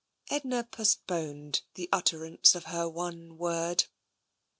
Edna postponed the utterance of her one word.